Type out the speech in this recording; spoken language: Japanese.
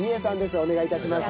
お願い致します。